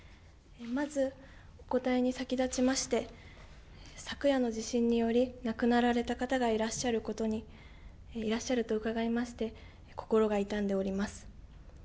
まずお答えに先立ちまして昨夜の地震により亡くなられた方がいらっしゃると伺いまして心が痛んでおります。